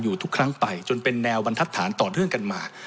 ทุกครั้งไปจนเป็นแนวบรรทัศนต่อเนื่องกันมา